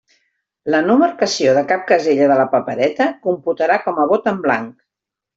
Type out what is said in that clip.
La no marcació de cap casella de la papereta computarà com a vot en blanc.